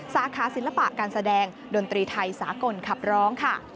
สาขาศิลปะการแสดงดนตรีไทยสากลขับร้องค่ะ